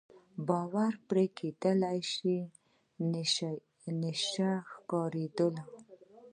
باور پرې کېدای شو، نشه ښکارېدل.